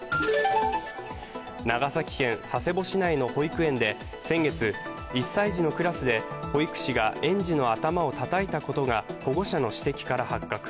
長崎県佐世保市内の保育園で先月１歳児のクラスで保育士が園児の頭をたたいたことが保護者の指摘から発覚。